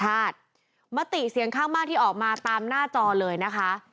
มติเสียงข้างมากที่ออกมาตามหน้าจอเลยนะคะ